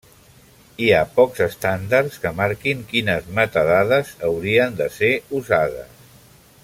Hi ha pocs estàndards que marquin quines metadades haurien de ser usades.